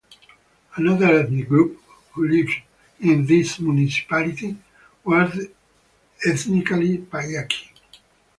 Another ethnic group who lived in this municipality was ethnically Payaqui.